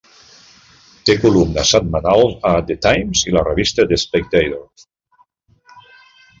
Té columnes setmanals a "The Times" i la revista "The Spectator".